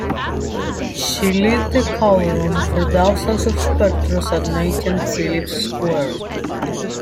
She lit the cauldron before thousands of spectators at Nathan Phillips Square.